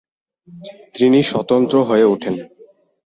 তিনি স্বতন্ত্র হয়ে ওঠেন।